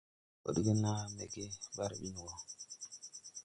A din podge na mbɛ ge barbin wo?